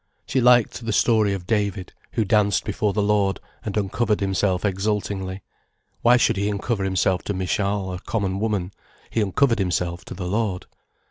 She liked the story of David, who danced before the Lord, and uncovered himself exultingly. Why should he uncover himself to Michal, a common woman? He uncovered himself to the Lord.